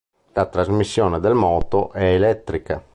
La trasmissione del moto è elettrica.